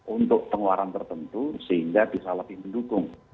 untuk pengeluaran tertentu sehingga bisa lebih mendukung